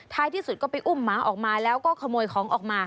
ที่สุดก็ไปอุ้มหมาออกมาแล้วก็ขโมยของออกมา